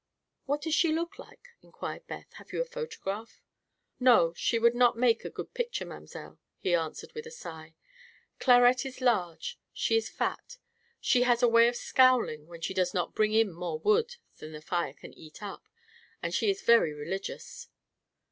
"What does she look like?" inquired Beth. "Have you her photograph?" "No; she would not make a good picture, mamselle," he answered with a sigh. "Clarette is large; she is fat; she has a way of scowling when one does not bring in more wood than the fire can eat up; and she is very religious."